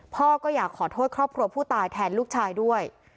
พ่อก็อยากขอโทษครอบครัวผู้ตายแทนลูกชายด้วย